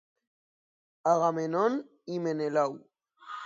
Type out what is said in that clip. Agamèmnon i Menelau.